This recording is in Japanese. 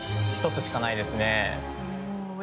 １つしかないですね。